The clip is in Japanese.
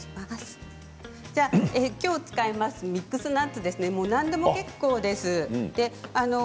きょう使うミックスナッツなんでも結構です。